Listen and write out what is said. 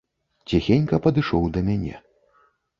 Ціхенька падышоў да мяне.